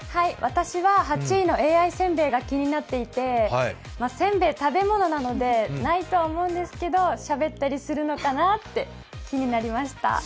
私は８位のＡＩせんべいが気になっていてせんべい、食べ物なので、ないとは思うんですけども、しゃべったりするのかなって気になりました。